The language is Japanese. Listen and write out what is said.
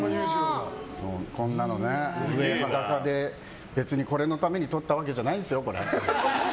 上、裸で、別にこれのために撮ったわけじゃないんですよ。